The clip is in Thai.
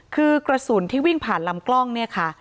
คือกระสุนที่วิ่งผ่านลำกล้องเนี่ยค่ะ